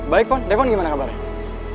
baik pon depan gimana kabarnya